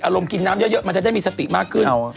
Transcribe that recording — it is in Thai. อารมณ์กินน้ำเยอะมันจะได้มีสติมากขึ้น